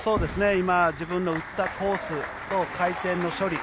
今、自分の打ったコースと回転の処理